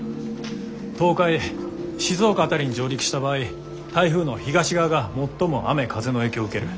東海静岡辺りに上陸した場合台風の東側が最も雨風の影響を受ける。